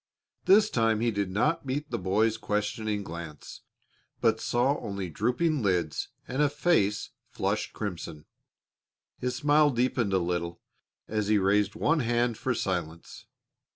This time he did not meet the boy's questioning glance, but saw only drooping lids and a face flushed crimson. His smile deepened a little as he raised one hand for silence.